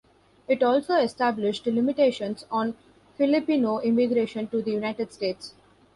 It also established limitations on Filipino immigration to the United States.